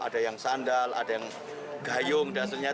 ada yang sandal ada yang gayung